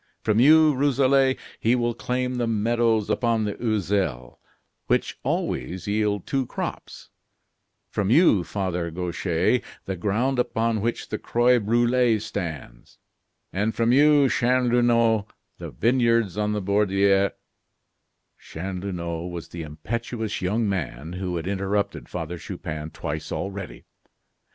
From you, Rousselet, he will claim the meadows upon the Oiselle, which always yield two crops; from you, Father Gauchais, the ground upon which the Croix Brulee stands; from you, Chanlouineau, the vineyards on the Borderie " Chanlouineau was the impetuous young man who had interrupted Father Chupin twice already.